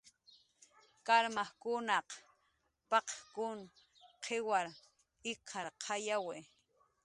"Karmajkunaq paq""kun qiwar ik""arqayawi"